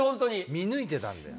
見抜いてたんだよ。